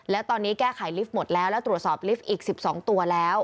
แล้วตอนนี้แก้ไขลิฟต์หมดแล้วแล้วตรวจสอบลิฟต์อีก๑๒ตัวแล้ว